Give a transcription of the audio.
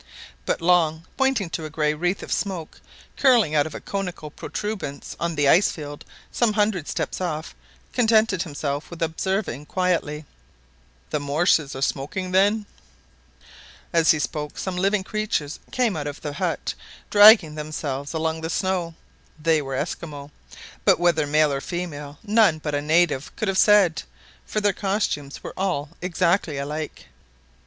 But Long, pointing to a grey wreath of smoke curling out of a conical protuberance on the ice field some hundred steps off, contented himself with observing quietly— "The morses are smoking, then !" As he spoke some living creatures came out of the but dragging themselves along the snow. They were Esquimaux, but whether male or female none but a native could have said, for their costumes were all exactly alike.